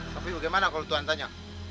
tapi bagaimana kalau tuhan tanya